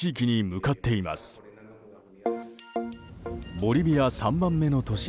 ボリビア３番目の都市